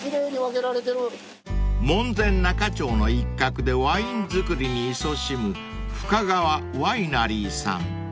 ［門前仲町の一角でワイン造りにいそしむ深川ワイナリーさん］